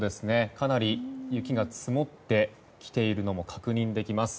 かなり雪が積もってきているのも確認できます。